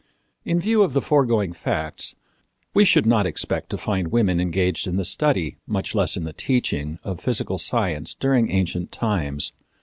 In view of the foregoing facts, we should not expect to find women engaged in the study, much less in the teaching, of physical science during ancient times.